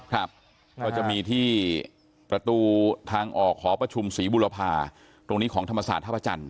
ครับก็จะมีที่ประตูทางออกหอประชุมศรีบุรพาตรงนี้ของธรรมศาสตร์ท่าพระจันท